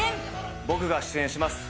僕が出演します